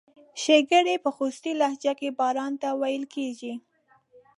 شیګیره په خوستی لهجه کې باران ته ویل کیږي.